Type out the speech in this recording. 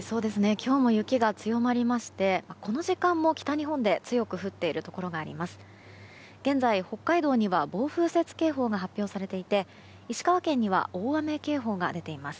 今日も雪が強まりましてこの時間も北日本で強く降っているところがあります。